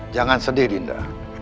jangan sedih dinda